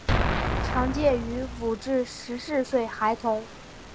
常见于五至十四岁孩童。